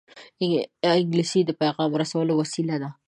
انګلیسي د پېغام رسولو وسیله ده